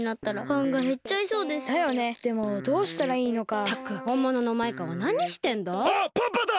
あっパパだ！